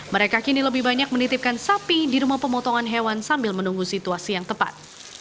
mereka kini lebih banyak menitipkan sapi di rumah pemotongan hewan sambil menunggu situasi yang tepat